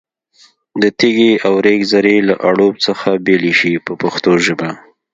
د تېږې او ریګ ذرې له اړوب څخه بېلې شي په پښتو ژبه.